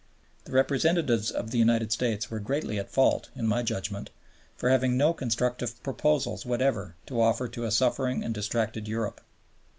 The representatives of the United States were greatly at fault, in my judgment, for having no constructive proposals whatever to offer to a suffering and distracted Europe.